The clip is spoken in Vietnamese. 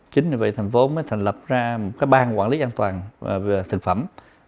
chính vì vậy thành phố mới thành lập ra một bang quản lý an toàn về thực phẩm